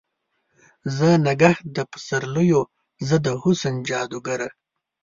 زه نګهت د پسر لیو، زه د حسن جادوګره